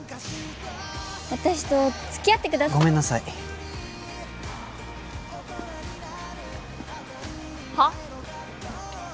私と付き合ってくだごめんなさいはっ？